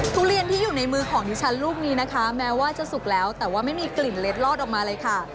ทุเรียนที่อยู่ในมือของดิฉันลูกนี้นะคะแม้ว่าจะสุกแล้วแต่ว่าไม่มีกลิ่นเล็ดลอดออกมาเลยค่ะ